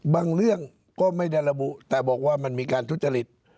เรื่องก็ไม่ได้ระบุแต่บอกว่ามันมีการทุจริต